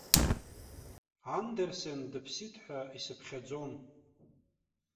Андерсен дыԥсит ҳәа исыԥхьаӡом!